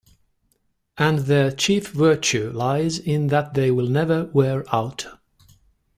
And their chief virtue lies in that they will never wear out.